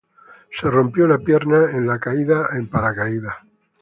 Se rompió una pierna en la caída en paracaídas.